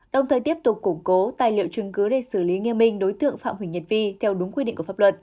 đồng thời tiếp tục củng cố tài liệu trung cư để xử lý nghiêm minh đối tượng phạm hủy nhật vi theo đúng quy định của pháp luật